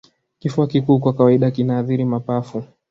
Kifua kikuu kwa kawaida kinaathiri mapafu